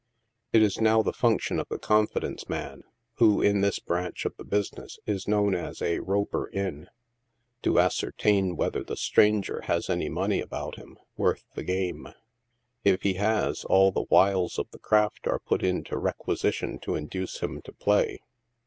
It is now the function of the confidence man — who, in this branch of the business, is known as a " roper in" — to ascertain whether the stranger has any money about him, worth the game ; if he has, all the wiles of the craft are put into requisi tion to induce him to play.